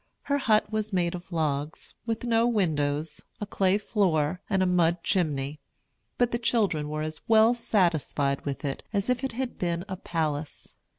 Her hut was made of logs, with no windows, a clay floor, and a mud chimney. But the children were as well satisfied with it as if it had been a palace.